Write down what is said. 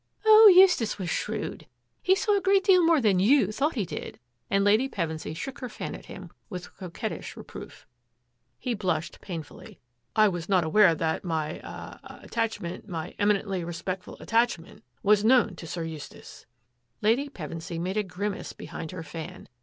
" Oh, Eustace was shrewd. He saw a good deal more than you thought he did," and Lady Pevensy shook her fan at him with coquettish reproof. He blushed painfully. " I was not aware that my — ah — attachment — my — eminently re spectful attachment — was known to Sir Eustace." Lady Pevensy made a grimace behind her fan.